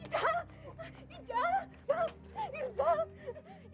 jal jal jal irzal